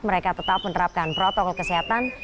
mereka tetap menerapkan protokol kesehatan